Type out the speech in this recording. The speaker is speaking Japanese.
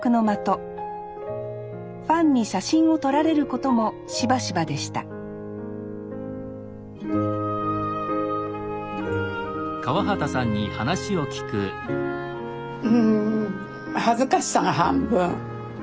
ファンに写真を撮られることもしばしばでしたうん恥ずかしさが半分。